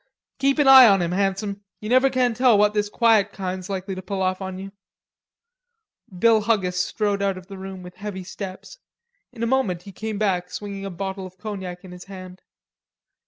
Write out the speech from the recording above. "Keep an eye on him, Handsome. You never can tell what this quiet kind's likely to pull off on you." Bill Huggis strode out of the room with heavy steps. In a moment he came back swinging a bottle of cognac in his hand.